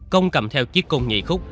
công cầm theo chiếc con nhị khúc